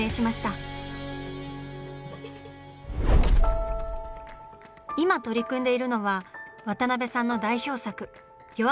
今取り組んでいるのは渡辺さんの代表作「弱虫ペダル」。